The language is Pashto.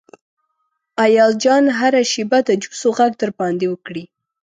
ایاز جان هره شیبه د جوسو غږ در باندې وکړي.